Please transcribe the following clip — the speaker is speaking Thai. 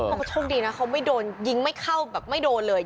เขาก็โชคดีนะเขาไม่โดนยิงไม่เข้าแบบไม่โดนเลย